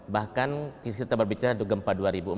bahkan kisah kita berbicara gempa dua ribu empat